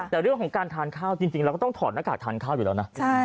แต่เรื่องของการทานข้าวจริงเราก็ต้องถอดหน้ากากทานข้าวอยู่แล้วนะ